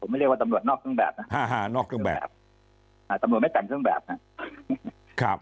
ไม่เรียกว่าตำรวจนอกเครื่องแบบนะนอกเครื่องแบบอ่าตำรวจไม่แต่งเครื่องแบบนะครับ